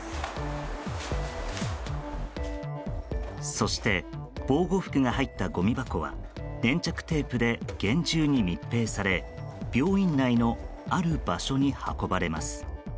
そして防護服が入ったごみ箱は粘着テープで厳重に密閉され病院内のある場所に運ばれます。